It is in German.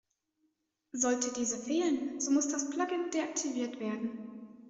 Sollte diese fehlen, so muss das Plugin deaktiviert werden.